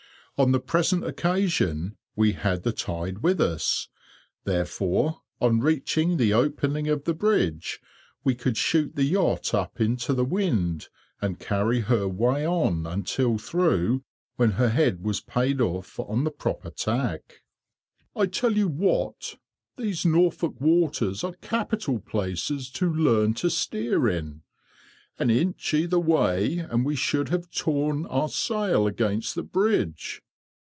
On the present occasion we had the tide with us; therefore, on reaching the opening of the bridge, we could shoot the yacht up into the wind, and carry her way on until through, when her head was paid off on the proper tack. "I tell you what, these Norfolk waters are capital places to learn to steer in. An inch either way, and we should have torn our sail against the bridge."